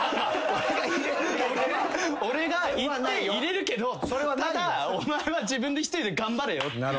「俺が言って入れるけどただお前は自分で１人で頑張れよ」っていう。